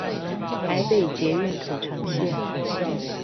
台北捷運土城線